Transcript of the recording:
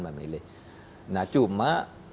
memilih nah cuma